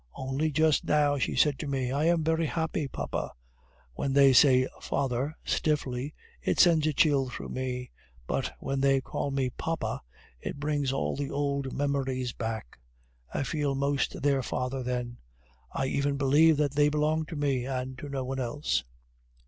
Only just now she said to me, 'I am very happy, papa!' When they say 'father' stiffly, it sends a chill through me; but when they call me 'papa,' it brings all the old memories back. I feel most their father then; I even believe that they belong to me, and to no one else."